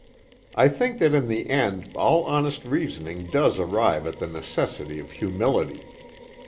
I think that in the end all honest reasoning does arrive at the necessity of humility.